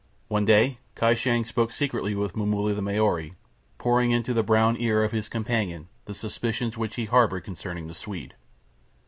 One day Kai Shang spoke secretly with Momulla the Maori, pouring into the brown ear of his companion the suspicions which he harboured concerning the Swede.